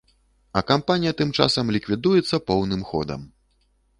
А кампанія тым часам ліквідуецца поўным ходам!